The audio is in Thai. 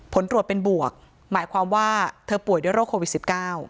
ผลตรวจเป็นบวกหมายความว่าเธอป่วยด้วยโรคโควิด๑๙